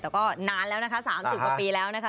แต่ก็นานแล้วนะคะ๓๐กว่าปีแล้วนะคะ